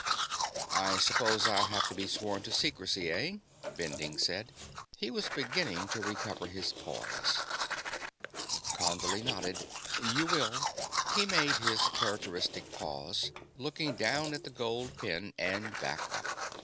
"I suppose I'll have to be sworn to secrecy, eh?" Bending asked. He was beginning to recover his poise. Condley nodded. "You will." He made his characteristic pause, looking down at the gold pen and back up.